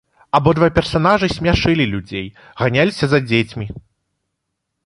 Абодва персанажы смяшылі людзей, ганяліся за дзецьмі.